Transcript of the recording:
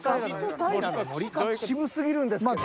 渋すぎるんですけど。